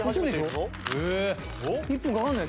１分かかんない。